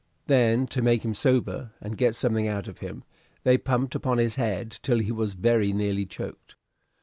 Then, to make him sober and get something out of him, they pumped upon his head till he was very nearly choked.